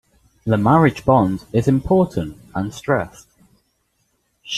The marriage bond is important and stressed.